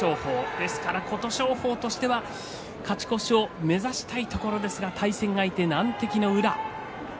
ですから琴勝峰としては勝ち越しを目指したいところですが対戦相手は難敵の宇良。